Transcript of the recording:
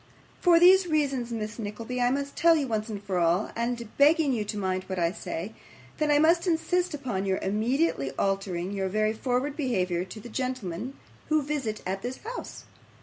For these reasons, Miss Nickleby, I must tell you once for all, and begging you to mind what I say, that I must insist upon your immediately altering your very forward behaviour to the gentlemen who visit at this house.